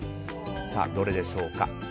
どれでしょうか。